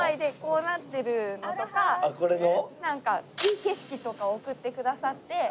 なんかいい景色とかを送ってくださって。